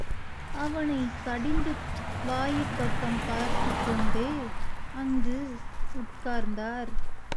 அவனைக் கடிந்து, வாயிற்பக்கம் பார்த்துக்கொண்டே அங்கு உட்கார்ந்தார்.